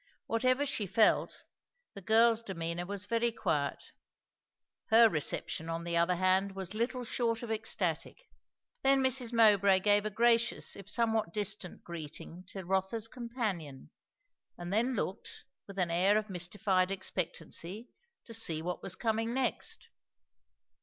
Whatever she felt, the girl's demeanour was very quiet; her reception, on the other hand, was little short of ecstatic. Then Mrs. Mowbray gave a gracious, if somewhat distant, greeting to Rotha's companion; and then looked, with an air of mystified expectancy, to see what was coming next.